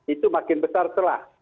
itu makin besar celah